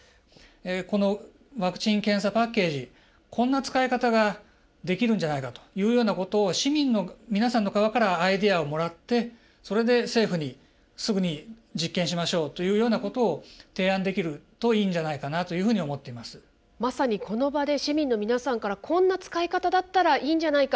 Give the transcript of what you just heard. このワクチン検査パッケージこんな使い方ができるんじゃないかというようなことを市民の皆さんの側からアイデアをもらってそれで政府にすぐに実験しましょうというようなことを提案できるといいんじゃないかなというふうにまさにこの場で市民の皆さんからこんな使い方だったらいいんじゃないか。